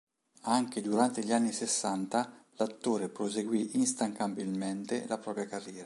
Anche durante gli anni sessanta l'attore proseguì instancabilmente la propria carriera.